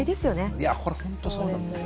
いやこれほんとそうなんですよ。